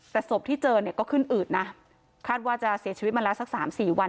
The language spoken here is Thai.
แต่ศพที่เจอเนี่ยก็ขึ้นอืดนะคาดว่าจะเสียชีวิตมาแล้วสัก๓๔วัน